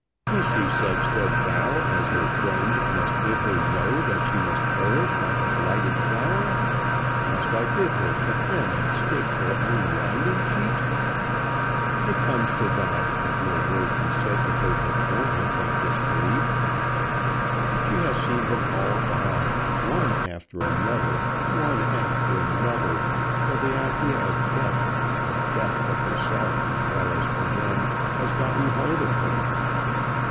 Is she such that thou as her friend must bid her know that she must perish like a blighted flower? Must I bid her to hem and stitch her own winding sheet? It comes to that if no word be said to her to turn her from this belief. She has seen them all die, one after another, one after another, till the idea of death, of death for herself as well as for them, has gotten hold of her.